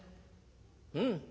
「うん。